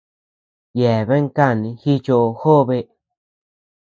Yeabean kanii jichoʼo jobe.